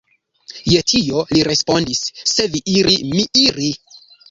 Je tio li respondis, Se vi iri, mi iri.